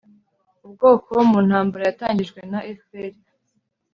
ubwoko mu ntambara yatangijwe na fpr